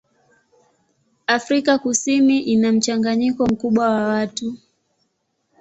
Afrika Kusini ina mchanganyiko mkubwa wa watu.